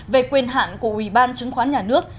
về quyền hạn của ủy ban chứng khoán nhà nước